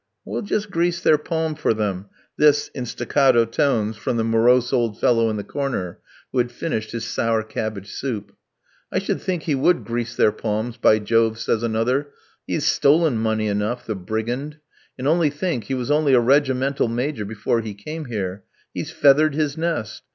"We'll just grease their palm for them," this, in staccato tones from the morose old fellow in the corner who had finished his sour cabbage soup. "I should think he would grease their palms, by Jove," says another; "he has stolen money enough, the brigand. And, only think, he was only a regimental Major before he came here. He's feathered his nest.